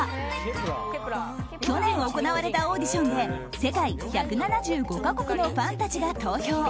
去年、行われたオーディションで世界１７５か国のファンたちが投票。